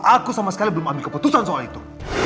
aku sama sekali belum ambil keputusan soal itu